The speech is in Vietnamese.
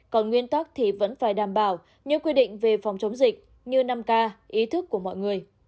còn nguyên tắc thì vẫn phải đảm bảo những quy định về phòng chống dịch như năm k ý thức của mọi người